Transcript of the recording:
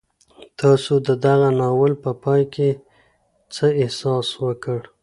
تاسو د دغه ناول په پای کې څه احساس وکړ؟